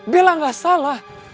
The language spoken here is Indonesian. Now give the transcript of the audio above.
bella gak salah